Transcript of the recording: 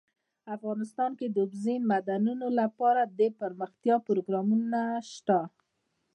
افغانستان کې د اوبزین معدنونه لپاره دپرمختیا پروګرامونه شته.